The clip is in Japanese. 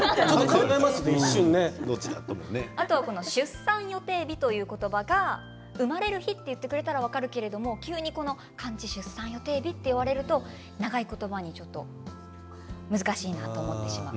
あとは出産予定日という言葉が生まれる日と言ってくれたら分かるけど急に漢字出産予定日となると長い言葉に難しいなと思ってしまう。